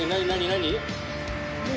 何？